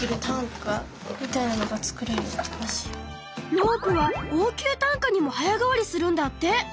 ロープは応急担架にも早変わりするんだって！